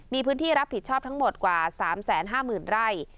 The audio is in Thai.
มีพื้นที่รับผิดชอบทั้งหมดกว่า๓๕๐๐๐ไร่